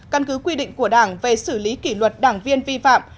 căn cứ quy định của đảng về xử lý kỷ luật đảng viên vi phạm